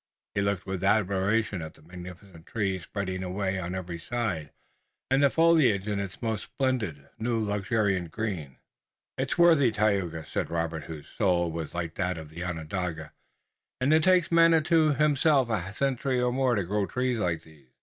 He looked with admiration at the magnificent trees spreading away on every side, and the foliage in its most splendid, new luxuriant green. "It is worthy, Tayoga," said Robert, whose soul was like that of the Onondaga, "and it takes Manitou himself a century or more to grow trees like these."